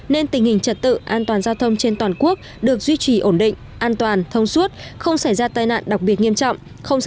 nên tình hình trật tự an toàn giao thông trên toàn quốc được duy trì ổn định an toàn thông suốt không xảy ra tai nạn đặc biệt nghiêm trọng